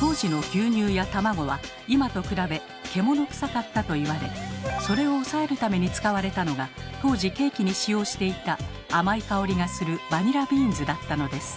当時の牛乳や卵は今と比べ獣臭かったと言われそれを抑えるために使われたのが当時ケーキに使用していた甘い香りがするバニラビーンズだったのです。